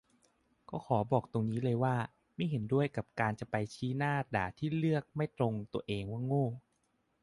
แล้วก็ขอบอกตรงนี้เลยว่า ไม่เห็นด้วยกับการจะไปชี้หน้าด่าที่เลือกไม่ตรงตัวเองว่าโง่